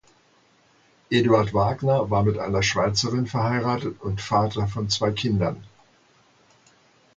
Eduard Wagner war mit einer Schweizerin verheiratet und Vater von zwei Kindern.